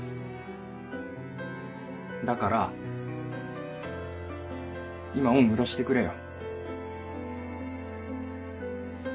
だから今恩売らせてくれよ。